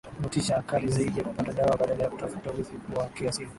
motisha kali zaidi za kupata dawa badala ya kutafuta uridhifu wa kiasili